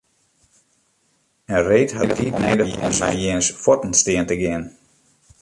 In reed hat tiid nedich om nei jins fuotten stean te gean.